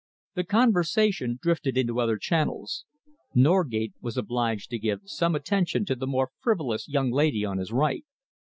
The conversation drifted into other channels. Norgate was obliged to give some attention to the more frivolous young lady on his right.